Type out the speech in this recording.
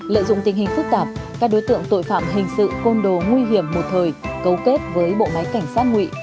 lợi dụng tình hình phức tạp các đối tượng tội phạm hình sự côn đồ nguy hiểm một thời cấu kết với bộ máy cảnh sát nguy